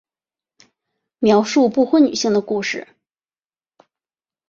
描述不婚女性的故事。